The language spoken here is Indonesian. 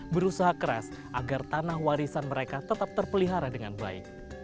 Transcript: berusaha keras agar tanah warisan mereka tetap terpelihara dengan baik